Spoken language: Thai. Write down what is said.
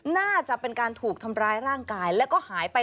น่าจะเป็นการถูกทำร้ายร่างกายแล้วก็หายไป